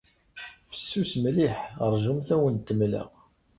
Fessus mliḥ. Ṛjumt ad awent-mleɣ.